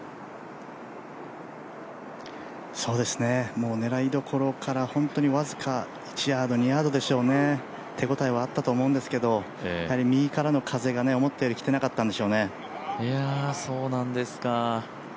もう狙い所から本当に僅か１ヤード、２ヤードでしょうね、手応えはあったと思うんですけどやはり右からの風が思ったよりきてなかったんでしょうね。